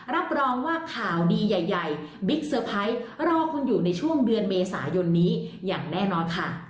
รับรองว่าข่าวดีใหญ่รอคุณอยู่ในช่วงเดือนเมษายนนี้อย่างแน่นอนค่ะ